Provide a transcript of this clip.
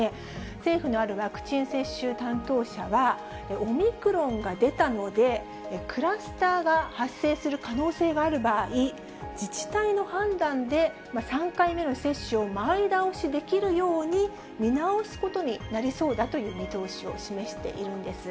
政府のあるワクチン接種担当者は、オミクロンが出たので、クラスターが発生する可能性がある場合、自治体の判断で３回目の接種を前倒しできるように、見直すことになりそうだという見通しを示しているんです。